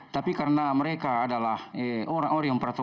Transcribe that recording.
tapi karena mereka adalah orang orang yang pertama